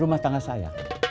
rumah tangga saya